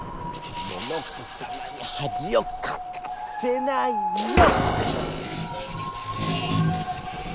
モノコさまにはじをかかせないの！